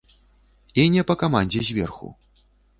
І не па камандзе зверху.